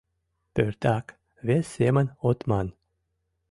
Пӧртак, вес семын от ман.